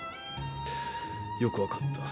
よく分かった。